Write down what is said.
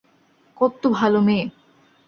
কত্ত ভালো মেয়ে!